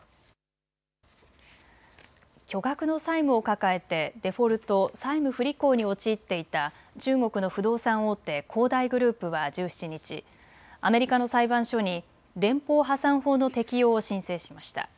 巨額の債務を抱えてデフォルト・債務不履行に陥っていた中国の不動産大手、恒大グループは１７日、アメリカの裁判所に連邦破産法の適用を申請しました。